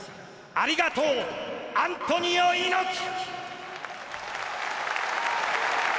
ありがとう、アントニオ猪木！